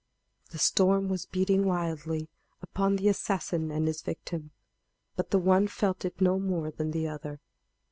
The storm was beating wildly upon the assassin and his victim; but the one felt it no more than the other.